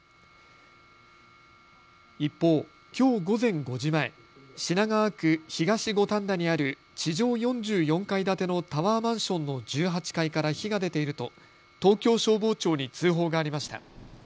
一方、きょう午前５時前、品川区東五反田にある地上４４階建てのタワーマンションの１８階から火が出ていると東京消防庁に通報がありました。